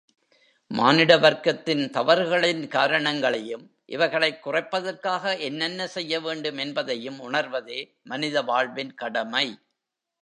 மானிட வர்க்கத்தின் தவறுகளின் காரணங்களையும், இவைகளைக் குறைப்பதற்காக என்னென்ன செய்ய வேண்டும் என்பதையும் உணர்வதே மனித வாழ்வின் கடமை.